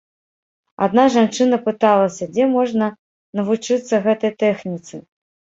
Адна жанчына пыталася, дзе можна навучыцца гэтай тэхніцы.